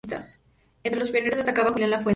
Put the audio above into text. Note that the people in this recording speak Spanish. Entre los pioneros destaca Julián Lafuente.